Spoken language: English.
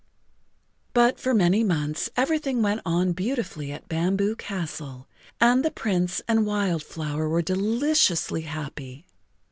But for many months everything went on beautifully at Bamboo Castle and the Prince and Wild Flower were deliciously happy.